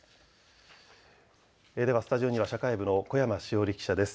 スタジオには社会部の小山志央理記者です。